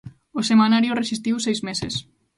O semanario resistiu seis meses.